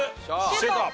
シュート！